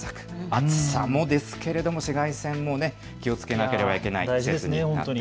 暑さもですけれども紫外線も気をつけなければいけない。